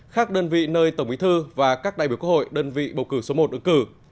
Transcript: khác đơn vị nơi tổng bí thư và các đại biểu quốc hội đơn vị bầu cử số một ứng cử